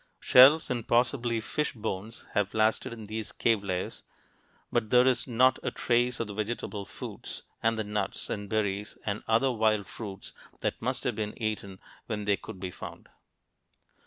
Shells and possibly fish bones have lasted in these cave layers, but there is not a trace of the vegetable foods and the nuts and berries and other wild fruits that must have been eaten when they could be found.